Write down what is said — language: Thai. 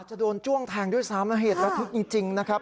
จะโดนจ้วงแทงด้วยสามเหตุและทุกข์จริงนะครับ